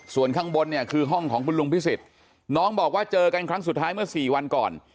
ส่วนข้างบนเนี่ยคือห้องของคุณลุงพิสิทธิ์น้องบอกว่าเจอกันครั้งสุดท้ายเมื่อสี่วันก่อน